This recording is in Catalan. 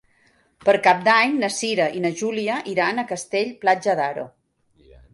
Per Cap d'Any na Cira i na Júlia iran a Castell-Platja d'Aro.